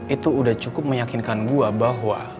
itu udah cukup meyakinkan gue bahwa